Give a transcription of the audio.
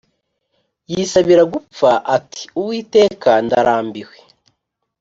yisabira gupfa ati “Uwiteka, ndarambiwe